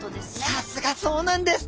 さすがそうなんです！